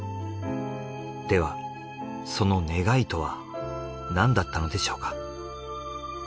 ではその願いとは何だったのでしょうか。